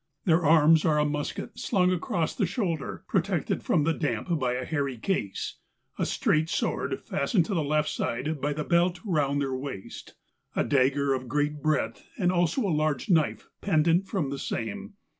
Their arms are a musket slung across the shoulder, protected from the damp by a hairy case ; a straight sword fastened to the left side by the belt round their waist; a dagger of great breadth, and also a large knife, pendent from the same.